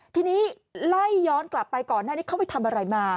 ทีนี้ไล่ย้อนกลับไปก่อนหน้านี้เขาไปทำอะไรมา